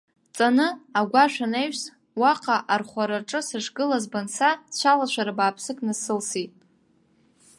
Ҵаны, агәашә анаҩс, уаҟа архәараҿы сышгылаз банца, цәалашәара бааԥсык насылсит.